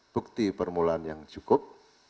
bukti permulaan yang cukup